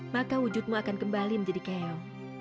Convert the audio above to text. maka wujudmu akan kembali menjadi keo